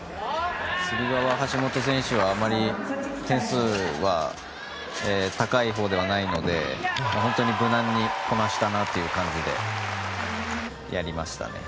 つり輪は橋本選手はあまり点数は高いほうではないので無難にこなしたなという感じでやりましたね。